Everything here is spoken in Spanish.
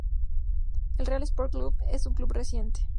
El Real Sport Clube es un club reciente.